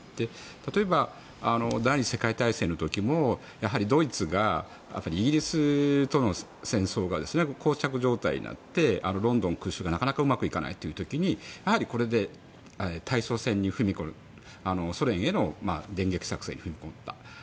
例えば、第２次世界大戦の時もやはりドイツがイギリスとの戦争がこう着状態になってロンドン空襲がなかなかうまくいかないという時にやはりこれで踏み込むソ連への電撃戦に踏み込んだ。